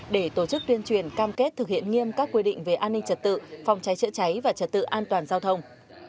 để tổ chức tuyên truyền cam kết thực hiện nghiêm các quy định về an ninh trật tự phòng cháy chữa cháy và trật tự an toàn giao thông